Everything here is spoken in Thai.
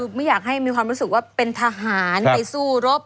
ไม่อยากให้มีความรู้สึกว่าเป็นทหารไปสู้รบ